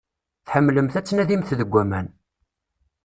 Tḥemmlemt ad tnadimt deg aman.